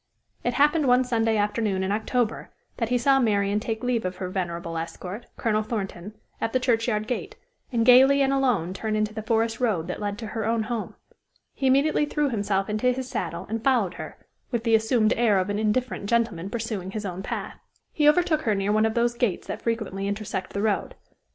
It happened one Sunday afternoon in October that he saw Marian take leave of her venerable escort, Colonel Thornton, at the churchyard gate, and gayly and alone turn into the forest road that led to her own home. He immediately threw himself into his saddle and followed her, with the assumed air of an indifferent gentleman pursuing his own path. He overtook her near one of those gates that frequently intersect the road.